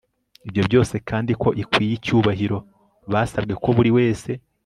ibyo byose kandi ko ikwiye icyubahiro basabwe ko buri wese